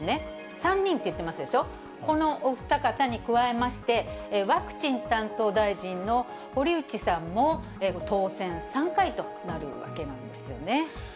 ３人って言ってますでしょ、このお二方に加えまして、ワクチン担当大臣の堀内さんも当選３回となるわけなんですよね。